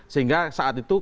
sehingga saat itu